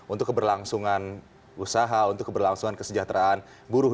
untuk keberlangsungan usaha untuk keberlangsungan kesejahteraan buruh